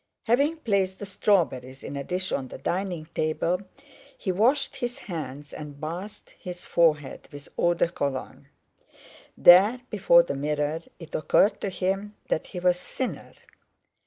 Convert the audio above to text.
Having placed the strawberries in a dish on the dining table, he washed his hands and bathed his forehead with eau de Cologne. There, before the mirror, it occurred to him that he was thinner.